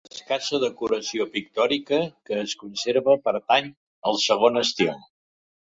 L'escassa decoració pictòrica que es conserva pertany al segon estil.